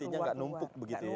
intinya gak numpuk begitu ya